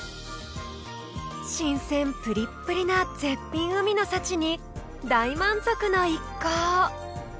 新鮮プリップリな絶品海の幸に大満足の一行！